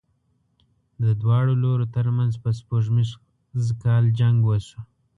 د دواړو لورو تر منځ په سپوږمیز کال جنګ وشو.